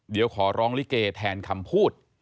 เดี๋ยวขอร้องลิเกแทนคำพูด